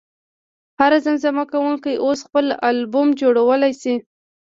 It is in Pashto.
هر زمزمه کوونکی اوس خپل البوم جوړولی شي.